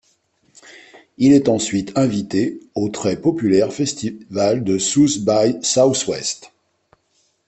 Il est ensuite invité au très populaire festival South by Southwest.